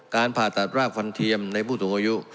ผ่าตัดรากฟันเทียมในผู้สูงอายุ